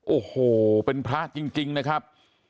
โอ้โหเป็นพระจริงนะครับ